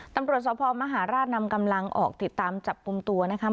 ตำรวจสภมหาราชนำกำลังออกติดตามจับกลุ่มตัวนะคะ